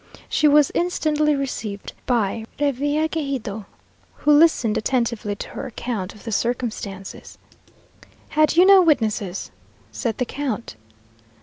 She was instantly received by Revillagigedo, who listened attentively to her account of the circumstances. "Had you no witnesses?" said the count.